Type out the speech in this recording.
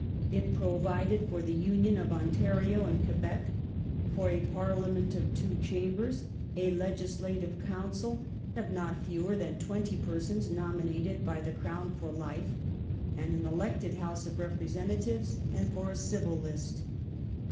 It provided for the union of Ontario and Quebec ; for a Parliament of two chambei s : a Legislative Council of not fewer than twenty persons nominated by the Crown for life, and an elected House of Representatives ; and for a Civil List.